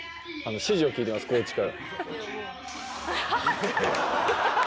指示を聞いてます、コーチから。